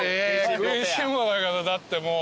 食いしん坊だけどだってもう。